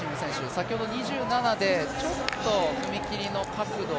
先ほど２７でちょっと踏み切りの角度、